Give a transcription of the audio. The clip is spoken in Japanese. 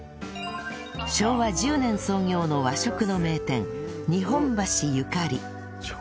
昭和１０年創業の和食の名店日本橋ゆかり